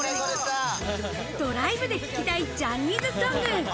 ドライブで聴きたいジャニーズソング。